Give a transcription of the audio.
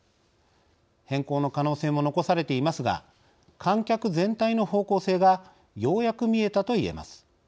変更の可能性も残されていますが観客全体の方向性がようやく見えたと言えます。